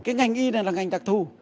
cái ngành y này là ngành đặc thù